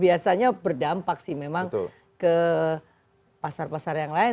biasanya berdampak sih memang ke pasar pasar yang lain